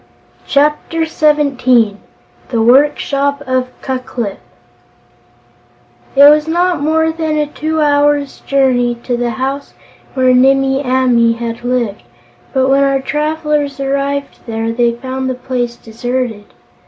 Chapter Seventeen The Workshop of Ku Klip It was not more than a two hours' journey to the house where Nimmie Amee had lived, but when our travelers arrived there they found the place deserted.